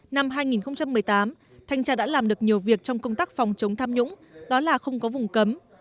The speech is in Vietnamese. năm hai nghìn một mươi tám thanh tra đã làm được nhiều việc trong công tác phòng chống tham nhũng đó là không có vùng cấm